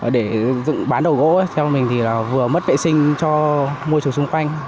để bán đồ gỗ theo mình thì vừa mất vệ sinh cho môi trường xung quanh